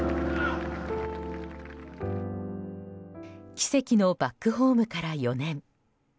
奇跡のバックホームから４年。